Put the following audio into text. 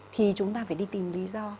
thì chúng ta phải đi tìm lý do